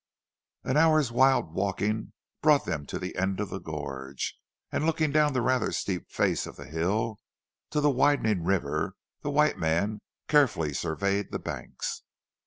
An hour's wild walking brought them to the end of the gorge, and looking down the rather steep face of the hill, to the widening river, the white man carefully surveyed the banks.